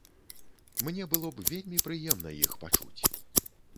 Мне было б вельмі прыемна іх пачуць.